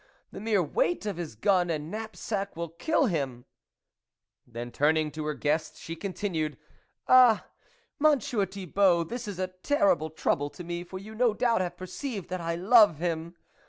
The mere weight of his gun and knapsack will kill him !" Then turning to her guest, she con tinued :" Ah ! Monsieur Thibault, this is a terrible trouble to me, for you no doubt have perceived that I love him